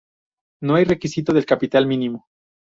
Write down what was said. No hay requisito de capital mínimo.